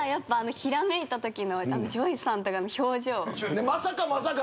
ひらめいたときのＪＯＹさんとかの表情。